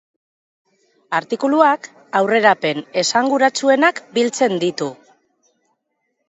Artikuluak aurrerapen esanguratsuenak biltzen ditu.